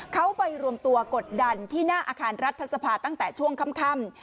เขาไปรวมตัวกดดันที่หน้าอาคารรัฐสภาตั้งแต่ช่วงค่ำ